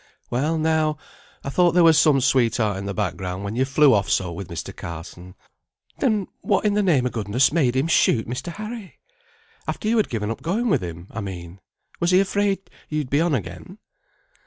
Well now, I thought there was some sweetheart in the back ground, when you flew off so with Mr. Carson. Then what in the name of goodness made him shoot Mr. Harry? After you had given up going with him, I mean? Was he afraid you'd be on again?"